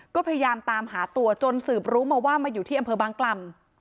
ก็พยายามตามหาตัวจนสืบรู้มาว่ามาอยู่ที่อำเภอบางกล่ำ